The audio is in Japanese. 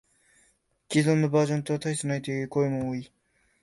既存のバージョンと大差ないという声も多い